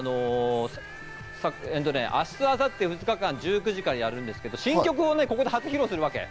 明日、明後日、２日間１９時からやるんですけど新曲をここで初披露するわけ。